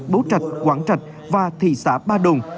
bố trạch quảng trạch và thị xã ba đồng